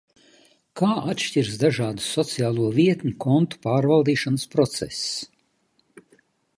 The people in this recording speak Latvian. Kā atšķiras dažādu sociālo vietņu kontu pārvaldīšanas process?